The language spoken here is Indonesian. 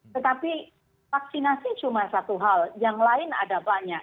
tetapi vaksinasi cuma satu hal yang lain ada banyak